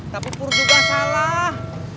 tapi pur juga salah